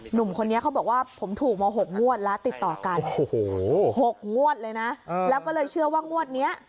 หนุ่มคนนี้เขาบอกว่าผมถูกมา๖งวดแล้วติดต่อกันโอ้โห๖งวดเลยนะแล้วก็เลยเชื่อว่างวดนี้